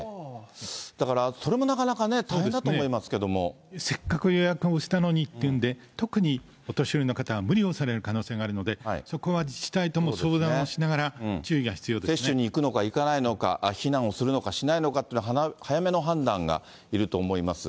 だからそれもなかなかね、大変だせっかく予約をしたのにっていうんで、特にお年寄りの方、無理をされる可能性がありますので、そこは自治体とも相談をしながら、接種に行くのか行かないのか、避難をするのかしないのかって、早めの判断がいると思います。